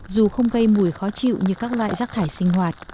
dù không gây mùi khó chịu như các loại rác thải sinh hoạt